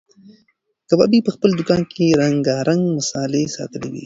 کبابي په خپل دوکان کې رنګارنګ مسالې ساتلې وې.